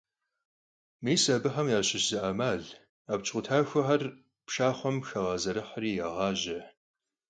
Mis abıxem yaşış zı 'emal: Abc khutaxuexer pşşaxhuem xağezerıhri yağaje.